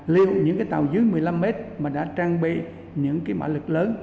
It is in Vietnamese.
liệu những tàu dưới một mươi năm mét mà đã trang bị những mả lực lớn